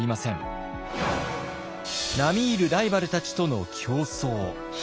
並み居るライバルたちとの競争。